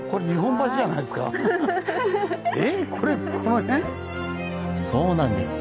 えっこれこの辺⁉そうなんです！